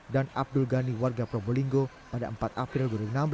dan abdul ghani warga probolinggo pada empat april dua ribu enam belas